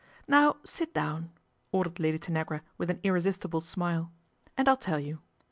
"Now sit down," ordered Lady Tanagra with an irresistible smile, " and I'll tell you.